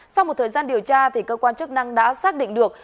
sau một thời gian điều tra cơ quan chức năng đã xác định được